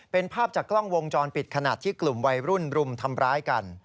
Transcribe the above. เป็นภาพจากกล้องวงจรปิดขณะที่กลุ่มวัยรุ่นรุมทำร้ายกัน